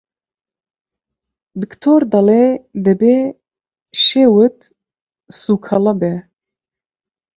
دکتۆر دەڵێ دەبێ شێوت سووکەڵە بێ!